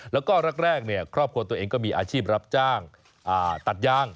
แล้วก็แรกครอบครัวตัวเองก็มีอาชีพรับจ้างตัดย่าง